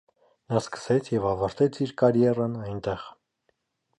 Նա սկսեց և ավարտեց իր կարիերան այնտեղ։